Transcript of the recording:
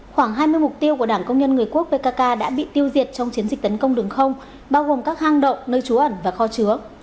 khoảng hai mươi mục tiêu của đảng công nhân người quốc pkk đã bị tiêu diệt trong chiến dịch tấn công đường không bao gồm các hang động nơi trú ẩn và kho chứa